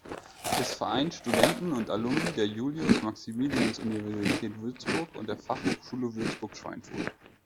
Es vereint Studenten und Alumni der Julius-Maximilians-Universität Würzburg und der Fachhochschule Würzburg-Schweinfurt.